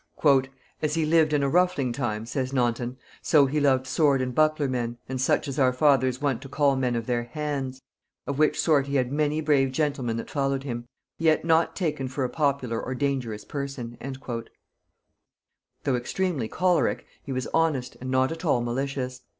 "As he lived in a ruffling time," says Naunton, "so he loved sword and buckler men, and such as our fathers wont to call men of their hands, of which sort he had many brave gentlemen that followed him; yet not taken for a popular or dangerous person." Though extremely choleric, he was honest, and not at all malicious.